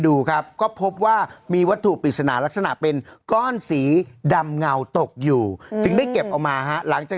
ดูครับก็พบว่ามีวัตถุปริศนาลักษณะเป็นก้อนสีดำเงาตกอยู่จึงได้เก็บเอามาฮะหลังจาก